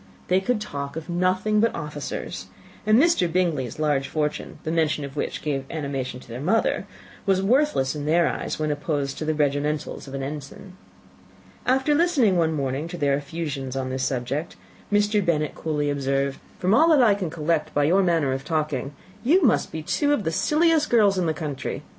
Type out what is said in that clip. They could talk of nothing but officers; and Mr. Bingley's large fortune, the mention of which gave animation to their mother, was worthless in their eyes when opposed to the regimentals of an ensign. After listening one morning to their effusions on this subject, Mr. Bennet coolly observed, "From all that I can collect by your manner of talking, you must be two of the silliest girls in the country.